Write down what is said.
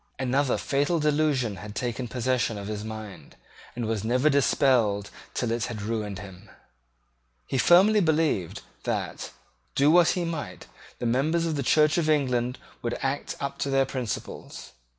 Another fatal delusion had taken possession of his mind, and was never dispelled till it had ruined him. He firmly believed that, do what he might, the members of the Church of England would act up to their principles.